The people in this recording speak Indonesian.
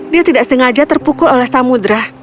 dia tidak sengaja terpukul oleh samudera